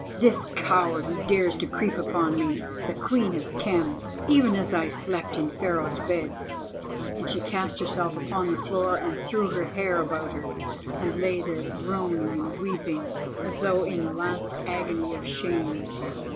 This coward who dares to creep upon me—the Queen of Khem—even as I slept in Pharaoh's bed!" and she cast herself upon the floor and threw her hair about her, and lay there groaning and weeping as though in the last agony of shame.